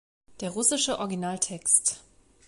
Der russische Originaltext